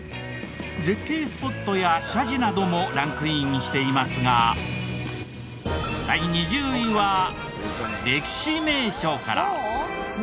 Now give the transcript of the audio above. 絶景スポットや社寺などもランクインしていますが第２０位は歴史名所から。